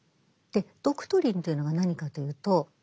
「ドクトリン」というのが何かというと政策。